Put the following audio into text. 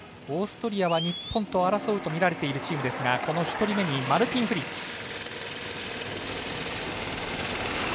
オーストリアは日本と争うと見られているチームですが１人目にマルティン・フリッツ。